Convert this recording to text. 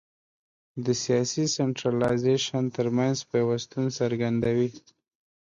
د سیاسي سنټرالیزېشن ترمنځ پیوستون څرګندوي.